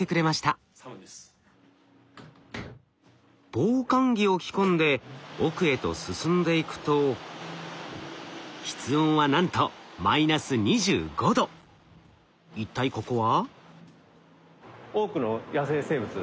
防寒着を着込んで奥へと進んでいくと室温はなんと一体ここは？